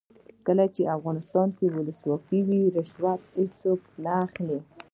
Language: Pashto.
کله چې افغانستان کې ولسواکي وي رشوت څوک نه اخلي.